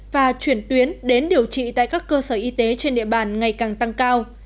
và chuyển tuyến đến điều trị tại các cơ sở y tế trên địa bàn ngày càng tăng cao